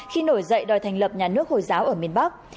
khi nổi dậy đòi thành lập nhà nước hồi giáo ở miền bắc